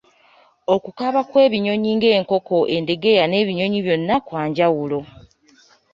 Okukaaba kw'ebinnyonyi ng'enkoko, endegeya n'ebinnyonyi byonna kwanjawulo.